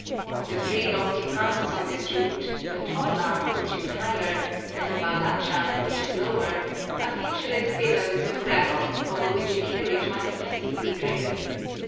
Of the three lofty passes on this route, the Toglang, which is higher, and the Baralacha, which is lower, are featureless billows of gravel, over which a carriage might easily be driven.